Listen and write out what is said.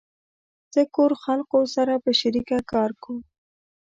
زه کور خلقو سره په شریکه کار کوم